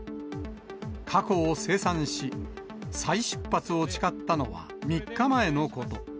過去を清算し、再出発を誓ったのは３日前のこと。